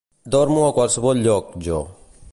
Dormo a qualsevol lloc, jo.